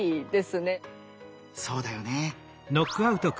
そうだよね。